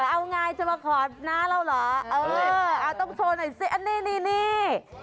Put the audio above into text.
เอาง่ายชวะคอดหน้าเราเหรอต้องโชว์หน่อยสินี่